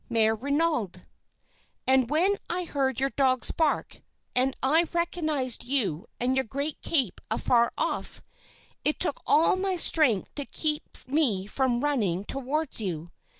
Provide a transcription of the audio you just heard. "MÈRE RENAUD. "And when I heard your dogs bark, and I recognized you and your great cape afar off, it took all my strength to keep me from running towards you.